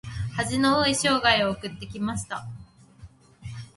恥の多い生涯を送ってきました。